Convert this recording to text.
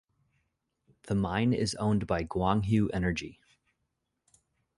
The mine is owned by Guanghui Energy.